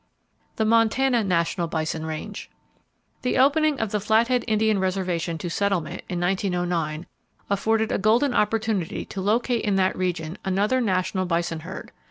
The Montana National Bison Range. —The opening of the Flathead Indian Reservation to settlement, in 1909, afforded a golden opportunity to locate in that region another national bison herd.